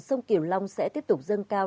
sông kiểu long sẽ tiếp tục dâng cao